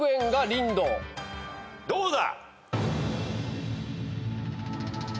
どうだ？